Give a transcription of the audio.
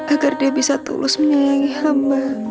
agar dia bisa tulus menyayangi hamba